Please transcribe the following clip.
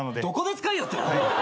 どこで使いよった！